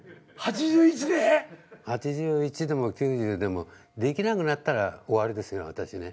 ８１でも９０でもできなくなったら終わりですね私ね。